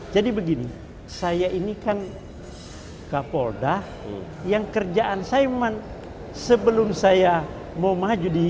jadi begini saya ini kan kapolda yang kerjaan saya memang sebelum saya mau maju di